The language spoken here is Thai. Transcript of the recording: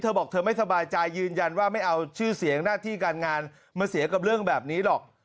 บอกเธอไม่สบายใจยืนยันว่าไม่เอาชื่อเสียงหน้าที่การงานมาเสียกับเรื่องแบบนี้หรอก